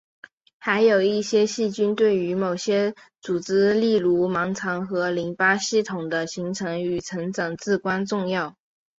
还有一些细菌对于某些组织例如盲肠和淋巴系统的形成与成长至关重要。